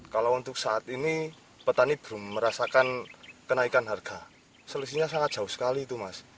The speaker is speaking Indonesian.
kalau untuk saat ini petani belum merasakan kenaikan harga selisihnya sangat jauh sekali itu mas